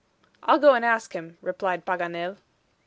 "I'll go and ask him," replied Paganel.